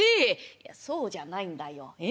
「いやそうじゃないんだよ。え？